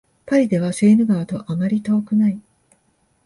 パリではセーヌ川とあまり遠くない